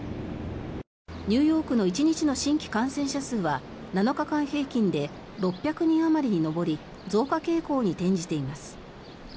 ニューヨークの１日の新規感染者数は７日間平均で６００人あまりに上り増加傾向に転じています。